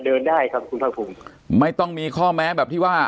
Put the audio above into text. เดินได้ครับคุณภาคภูมิไม่ต้องมีข้อแม้แบบที่ว่า